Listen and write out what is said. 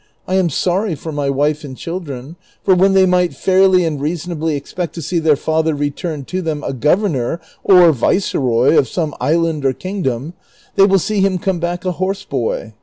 I am sorry for my wife and children, for when they might fairly and reasonably expect to see their father return to them a governor or viceroy of some island or kingdom, they will see him come back a horse boy.